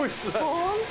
本当！